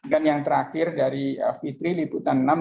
dan yang terakhir dari fitri liputan enam